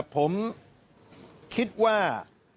ผมคิดว่า